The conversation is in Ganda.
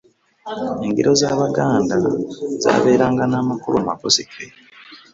Engero z'abaganda zabeeranga n'amukulu amakusike.